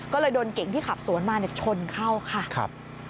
ก็เลยโดนเก่งที่ขับสวนมาชนเข้าค่ะ